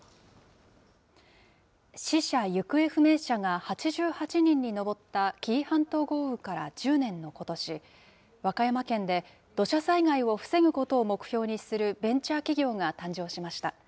死者・行方不明者が８８人に上った紀伊半島豪雨から１０年のことし、和歌山県で土砂災害を防ぐことを目標にするベンチャー企業が誕生しました。